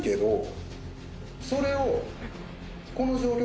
それを。